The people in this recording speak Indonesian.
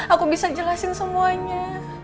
aku bisa jelasin semuanya